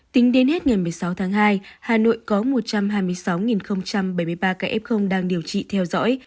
tính đến hết ngày một mươi sáu tháng hai hà nội có một trăm hai mươi sáu bảy mươi ba ca f đang điều trị theo dõi